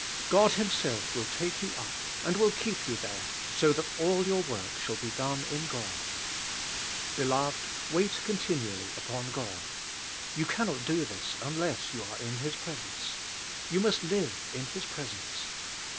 God Himself will take you up, and will keep you there, so that all your work shall be done in God, Beloved, wait continually upon God. You can not do this unless you are in His presence. You must live in His presence.